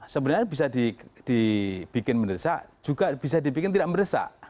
sebenarnya bisa dibikin mendesak juga bisa dibikin tidak mendesak